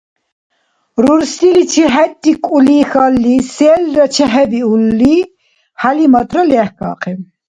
Рурсиличи хӀеррикӀулихьали селра чехӀебиули ХӀялиматра лехӀкахъиб.